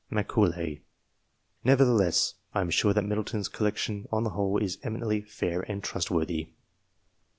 (Macaulay.) Nevertheless, I am sure that Middleton's collection, on the whole, is eminently fair and trustworthy.